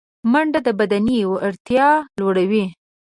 منډه د بدني وړتیا لوړوي